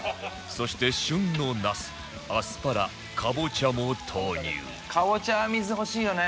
そして旬のナスアスパラかぼちゃも投入